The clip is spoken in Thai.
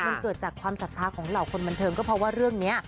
มันเกิดจากความศรัทธาของเหล่าคนบันเทิงก็เพราะว่าเรื่องนี้